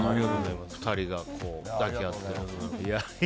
２人が抱き合って。